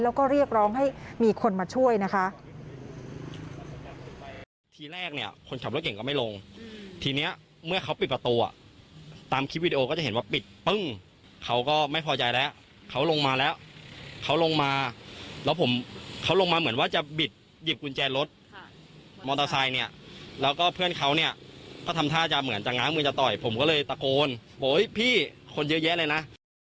แล้วก็เรียกร้องให้มีคนมาช่วยนะคะ